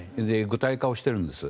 具体化をしているんです。